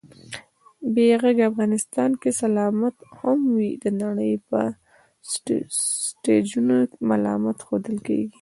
بې غږه افغانستان که سلامت هم وي، د نړۍ په سټېجونو ملامت ښودل کېږي